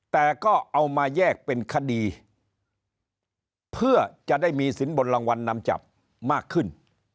แต่ก็เอามาแยกเป็นคดีเพื่อจะได้มีสินบนรางวัลนำจับมากขึ้น